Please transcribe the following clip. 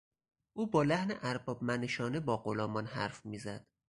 او با لحن اربابمنشانه با غلامان حرف میزد.